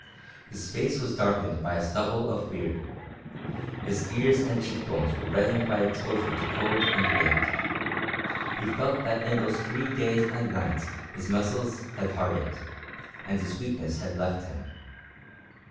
His face was darkened by a stubble of beard, his ears and cheek bones were reddened by exposure to cold and wind; he felt that in those three days and nights his muscles had hardened, and his weakness had left him.